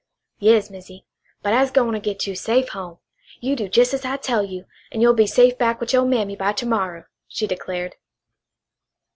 "Yas, Missy. But I'se gwine to git you safe home. You do jes' as I tell you an' you'll be safe back with your mammy by ter morrow!" she declared.